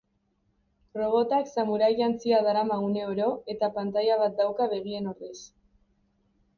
Robotak samurai jantzia darama uneoro, eta pantaila bat dauka begien ordez.